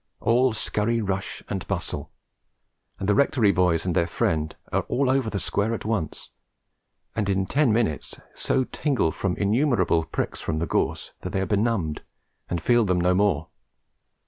all scurry, rush and bustle; and the Rectory boys and their friend are all over the square at once, and in ten minutes so tingle from innumerable pricks from the gorse that they are benumbed and feel them no more.